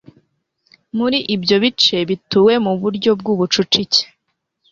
muri ibyo bice bituwe mu buryo bw'ubucucike.